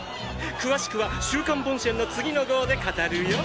詳しくは「週刊ボンシェン」の次の号で語るよ。